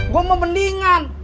gue mau mendingan